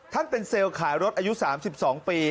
เป็นเซลล์ขายรถอายุ๓๒ปี